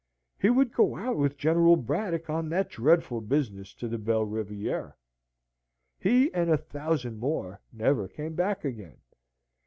He would go out with General Braddock on that dreadful business to the Belle Riviere. He and a thousand more never came back again.